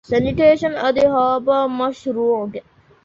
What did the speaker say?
ސެނިޓޭޝަން އަދި ހާރބަރ މަޝްރޫޢުގެ